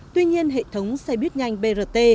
tuy nhiên hệ thống xe buýt nhanh brt